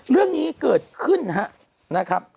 เรื่องนี้เกิดขึ้นนะครับ